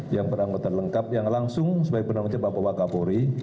yang beranggota lengkap yang langsung sebagai penanggota bapak bapak kapolri